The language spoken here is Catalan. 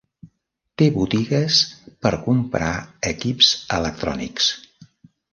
Té botigues per comprar equips electrònics.